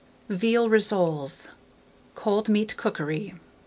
VEAL RISSOLES (Cold Meat Cookery).